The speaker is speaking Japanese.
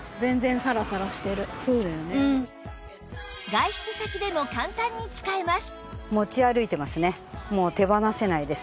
外出先でも簡単に使えます